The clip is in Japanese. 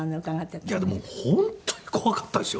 いやでも本当に怖かったですよ。